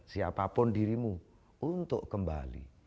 siapapun dirimu untuk kembali